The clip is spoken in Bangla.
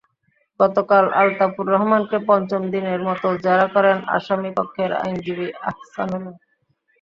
গতকাল আলতাফুর রহমানকে পঞ্চম দিনের মতো জেরা করেন আসামিপক্ষের আইনজীবী আহসানুল হক।